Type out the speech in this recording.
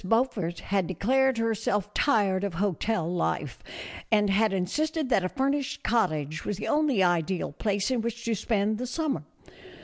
BEAUFORT had declared herself tired of hotel life, and had insisted that a fur nished cottage was the only ideal place in which to spend the summer.